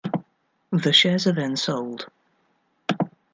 The shares are then sold.